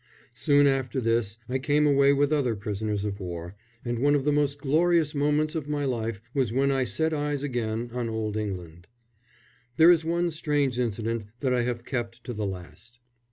Soon after this I came away with other prisoners of war, and one of the most glorious moments of my life was when I set eyes again on Old England. There is one strange incident that I have kept to the last.